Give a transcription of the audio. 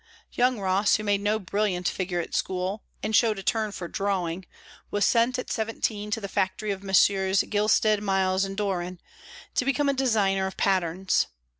Young Ross, who made no brilliant figure at school, and showed a turn for drawing, was sent at seventeen to the factory of Messrs. Gilstead, Miles and Doran, to become a designer of patterns.